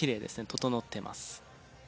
整ってます。